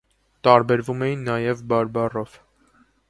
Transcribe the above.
Տարբերվում էին նաև բարբառով։